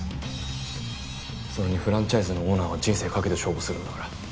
それにフランチャイズのオーナーは人生かけて勝負するんだから。